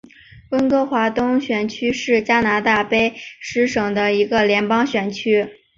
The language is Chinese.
温哥华东选区是加拿大卑诗省的一个联邦选区。